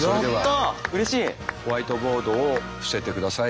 それではホワイトボードを伏せてください。